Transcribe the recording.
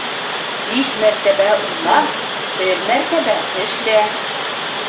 Биш мәртәбә уйла, бер мәртәбә эшлә.